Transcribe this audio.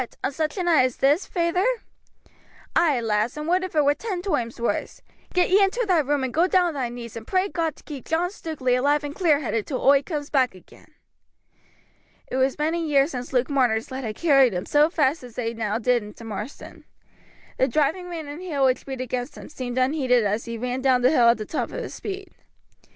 on such a night as this, feyther?" "Ay, lass, and would if it were ten toimes wurse. Get ye into thy room, and go down on thy knees, and pray God to keep John Stukeley alive and clear headed till oi coomes back again." It was many years since Luke Marner's legs had carried him so fast as they now did into Marsden. The driving rain and hail which beat against him seemed unheeded as he ran down the hill at the top of his speed.